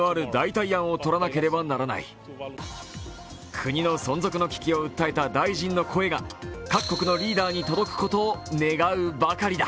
国の存続の危機を訴えた大臣の声が各国のリーダーに届くことを願うばかりだ。